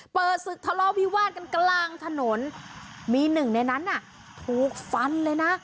เปิดศึกทะเลาะวิวาดกันกลางถนนมีหนึ่งในนั้นน่ะถูกฟันเลยนะ